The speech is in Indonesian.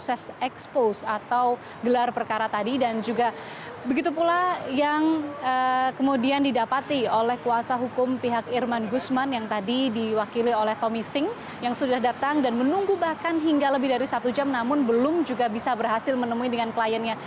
proses expose atau gelar perkara tadi dan juga begitu pula yang kemudian didapati oleh kuasa hukum pihak irman gusman yang tadi diwakili oleh tommy sing yang sudah datang dan menunggu bahkan hingga lebih dari satu jam namun belum juga bisa berhasil menemui dengan kliennya